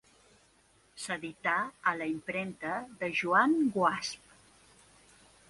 S'edità a la impremta de Joan Guasp.